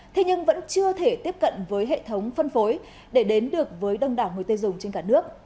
thế nhưng vẫn chưa thể tiếp cận với hệ thống phân phối để đến được với đông đảo người tiêu dùng trên cả nước